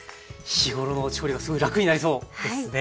日頃の調理がすごい楽になりそうですね。